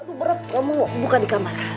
aduh berat kamu bukan di kamar